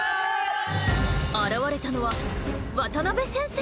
現れたのは渡邉先生。